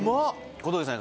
小峠さん